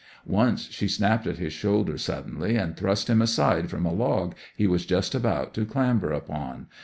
Once she snapped at his shoulder suddenly, and thrust him aside from a log he was just about to clamber upon.